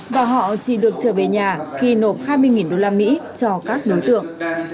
và họ chỉ được trở về nhà khi nộp hai mươi usd cho các đối tượng